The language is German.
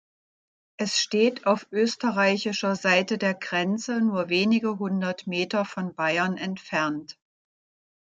Es steht auf österreichischer Seite der Grenze, nur wenige hundert Meter von Bayern entfernt.